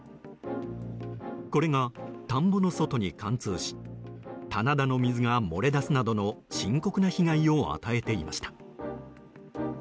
これが田んぼの外に貫通し棚田の水が漏れだすなどの深刻な被害を与えていました。